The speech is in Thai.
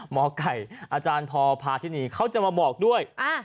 หมอไก่อาจารย์พอพาทินีเขาจะมาบอกด้วย